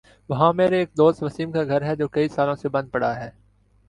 وہاں میرے ایک دوست وسیم کا گھر ہے جو کئی سالوں سے بند پڑا ہے ۔